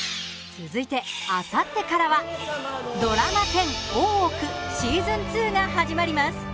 続いて、あさってからはドラマ１０「大奥」シーズン２が始まります。